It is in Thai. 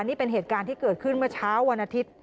นี่เป็นเหตุการณ์ที่เกิดขึ้นเมื่อเช้าวันอาทิตย์